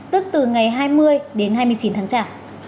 tức từ ngày hai mươi đến hai mươi chín tháng chả